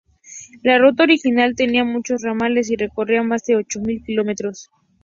La ruta original tenía muchos ramales y recorría más de ocho mil kilómetros.